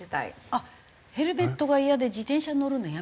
あっヘルメットがイヤで自転車に乗るのやめちゃった？